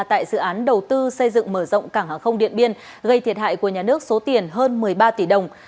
tại dự án đầu tư xây dựng mở rộng cảng hàng không điện biên gây thiệt hại của nhà nước số tiền hơn một mươi ba tỷ đồng